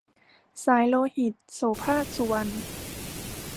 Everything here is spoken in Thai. สายโลหิต - โสภาค สุวรรณ